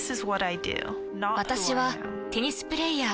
私はテニスプレイヤー。